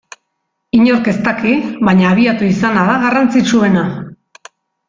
Inork ez daki, baina abiatu izana da garrantzitsuena.